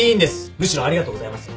むしろありがとうございます。